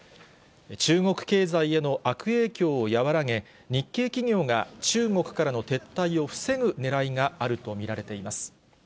中国経済への悪影響を和らげ、日系企業が中国からの撤退を防ぐねらいがあると見られています。